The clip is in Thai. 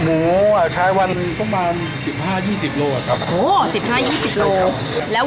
หมูแล้วเราใช้วันประมาณ๑๕๒๐โลกรัม